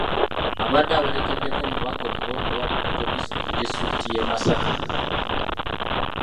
Abadde awerekeddwako omubaka omulonde owa Bukoto East mu disitulikiti y'e Masaka